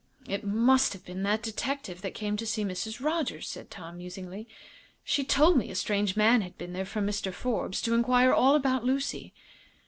"It must have been the detective that came to see Mrs. Rogers," said Tom, musingly. "She told me a strange man had been there from Mr. Forbes, to inquire all about Lucy."